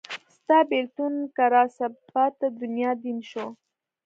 ستا بیلتون کې راڅه پاته دنیا دین شو